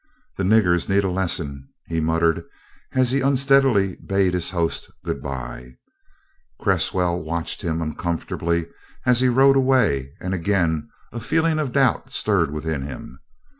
"The niggers need a lesson," he muttered as he unsteadily bade his host good bye. Cresswell watched him uncomfortably as he rode away, and again a feeling of doubt stirred within him.